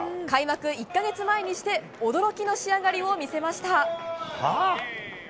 開幕１か月前にして驚きの仕上がりを見せました。